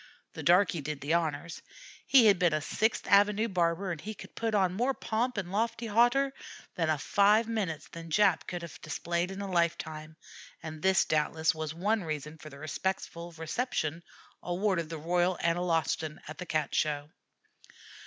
The darkey did the honors. He had been a Sixth Avenue barber, and he could put on more pomp and lofty hauteur in five minutes than Jap Malee could have displayed in a lifetime, and this, doubtless, was one reason for the respectful reception awarded the Royal Analostan at the Cat Show.